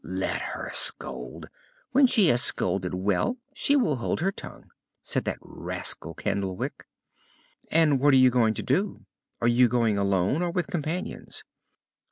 "Let her scold. When she has scolded well she will hold her tongue," said that rascal Candlewick. "And what are you going to do? Are you going alone or with companions?"